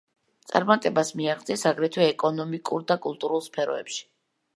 წარმატებას მიაღწიეს, აგრეთვე, ეკონომიკურ და კულტურულ სფეროებში.